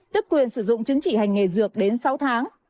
tức quyền sử dụng chứng chỉ hành nghề dược đến sáu tháng